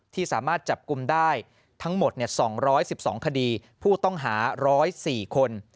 ที่สามารถจับกลุ่มได้ทั้งหมด๒๑๒คดีผู้ต้องหา๑๐๔คน